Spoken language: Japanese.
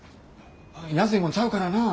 安いもんちゃうからな。